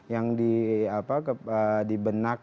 yang di benak